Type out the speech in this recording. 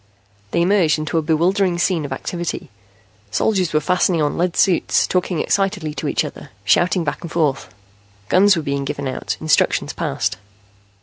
They emerged into a bewildering scene of activity. Soldiers were fastening on lead suits, talking excitedly to each other, shouting back and forth. Guns were being given out, instructions passed.